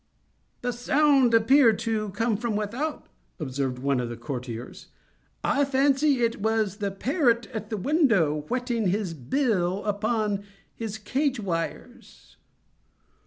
"The sound appeared to come from without," observed one of the courtiers. "I fancy it was the parrot at the window, whetting his bill upon his cage wires."